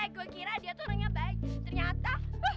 gue kira dia tuh orang yang baik ternyata